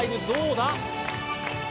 ５どうだ？